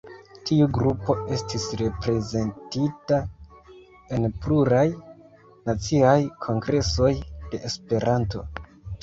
Tiu grupo estis reprezentita en pluraj naciaj kongresoj de Esperanto.